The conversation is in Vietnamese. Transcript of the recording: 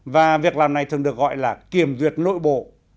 và việc làm này thường được gọi là kiểm duyệt nội bộ